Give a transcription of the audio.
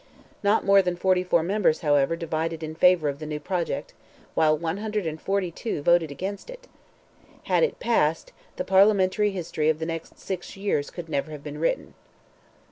Not more than 44 members, however, divided in favour of the new project, while 142 voted against it! Had it passed, the parliamentary history of the next six years could never have been written.